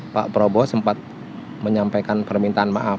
pak prabowo sempat menyampaikan permintaan maaf